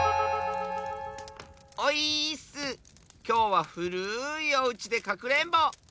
きょうはふるいおうちでかくれんぼ！